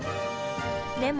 でも。